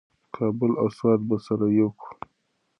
کابل او سوات به سره یو کړو.